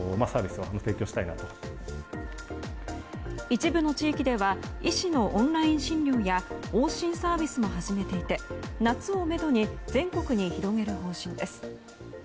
一部の地域では医師のオンライン診療や往診サービスも始めていて夏をめどに全国に広げる方針です。